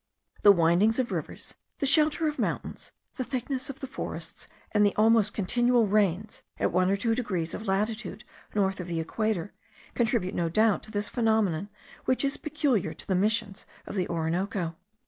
The windings of rivers, the shelter of mountains, the thickness of the forests, and the almost continual rains, at one or two degrees of latitude north of the equator, contribute no doubt to this phenomenon, which is peculiar to the missions of the Orinoco.